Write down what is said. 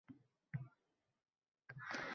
boshqa dasturlar bilan chetga ketishyapti.